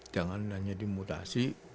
jangan hanya di mutasi